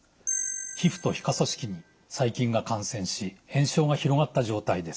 皮膚と皮下組織に細菌が感染し炎症が広がった状態です。